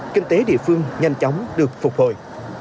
kinh tế địa phương nhanh chóng được phục hồi